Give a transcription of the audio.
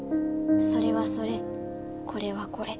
それはそれこれはこれ。